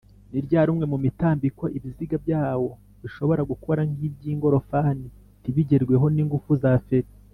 ni ryari umwe mumitambiko ibiziga byawo bishobora gukora nkibyingorofani ntibigerweho ningufu za feri